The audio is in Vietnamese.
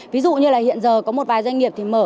ví dụ như là hiện giờ có một vài doanh nghiệp thì mở